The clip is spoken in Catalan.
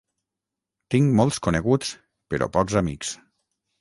Tinc molts coneguts, però pocs amics